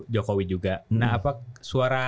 jokowi juga nah apa suara